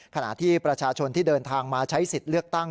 ขณะที่ประชาชนที่เดินทางมาใช้สิทธิ์เลือกตั้ง